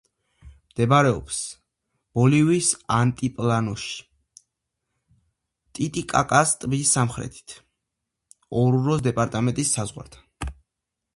მდებარეობს ბოლივიის ალტიპლანოში, ტიტიკაკას ტბის სამხრეთით, ორუროს დეპარტამენტის საზღვართან.